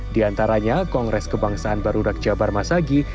di antaranya kongres kebangsaan barudak jabar masagi